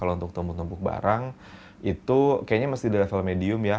kalau untuk tumpuk tumpuk barang itu kayaknya mesti di level medium ya